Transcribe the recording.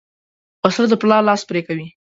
وسله د پلار لاس پرې کوي